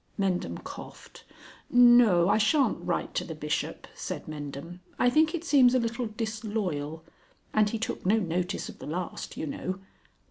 Mendham coughed. "No, I shan't write to the Bishop," said Mendham. "I think it seems a little disloyal.... And he took no notice of the last, you know."